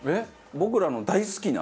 僕らの大好きな？